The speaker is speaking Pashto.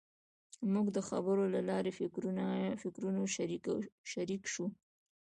موږ د خبرو له لارې د فکرونو شریک شوو.